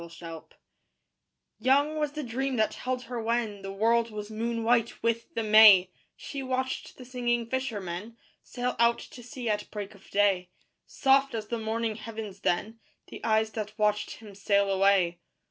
THE WATCHER Young was the dream that held her when The world was moon white with the May: She watched the singing fishermen Sail out to sea at break of day: Soft, as the morning heavens then, The eyes that watched him sail away.